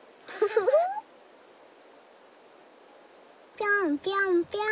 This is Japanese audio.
ぴょんぴょんぴょん。